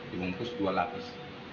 bungkus dua lapis